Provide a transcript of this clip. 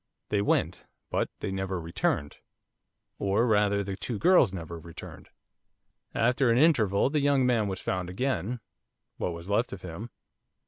They went, but they never returned. Or, rather the two girls never returned. After an interval the young man was found again, what was left of him.